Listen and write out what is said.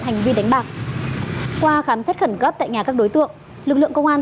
hành vi đánh bạc qua khám xét khẩn cấp tại nhà các đối tượng lực lượng công an